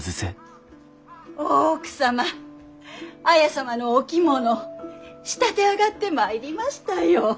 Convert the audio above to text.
大奥様綾様のお着物仕立て上がってまいりましたよ。